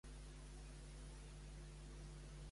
S'ha desconvocat la vaga de Renfe d'aquest dijous.